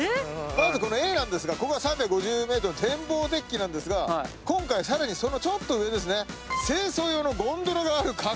まずＡなんですがここは３５０ｍの展望デッキなんですが今回はさらにそのちょっと上ですね。